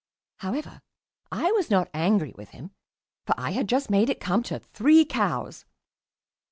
However, I was not angry with him, for I had just made it come to "three cows."